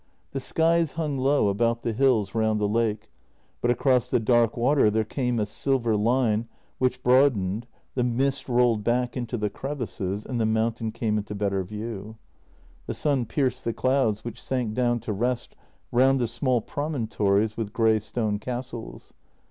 The skies hung low about the hills round the lake, but across the dark water there came a silver line, which broadened, the mist rolled back into the crevices, and the mountain came into better view. The sun pierced the clouds, which sank down to rest round the small promontories with grey stone castles.